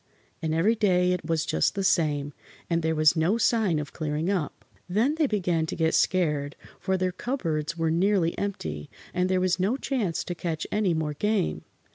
And every day it was just the same, and there was no sign of clearing up. Then they began to get scared, for their cupboards were nearly empty, and there was no chance to catch any more game.